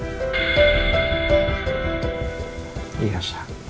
ya jadi tolong